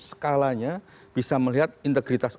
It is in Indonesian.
skalanya bisa melihat integritas